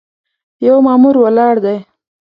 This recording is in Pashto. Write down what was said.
یو مامور ولاړ دی.